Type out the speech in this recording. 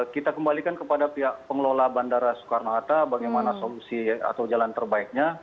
kita kembalikan kepada pihak pengelola bandara soekarno hatta bagaimana solusi atau jalan terbaiknya